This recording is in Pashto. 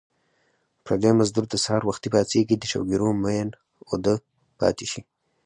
پردی مزدور سحر وختي پاڅېږي د شوګیرو مین اوده پاتې شي